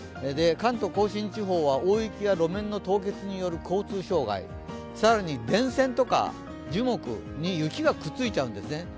関東甲信地方は大雪や路面の凍結による交通障害更に電線とか樹木に雪がくっついちゃうんですね。